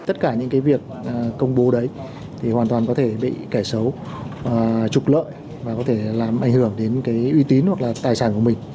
tất cả những cái việc công bố đấy thì hoàn toàn có thể bị kẻ xấu trục lợi và có thể làm ảnh hưởng đến cái uy tín hoặc là tài sản của mình